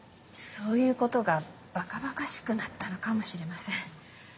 そういうことがバカバカしくなったのかもしれません。